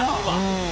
うん。